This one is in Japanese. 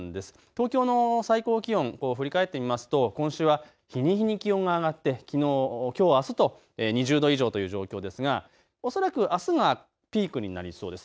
東京の最高気温を振り返ってみますと今週は日に日に気温が上がってきのう、きょう、あすと２０度以上という状況ですが恐らくあすがピークになりそうです。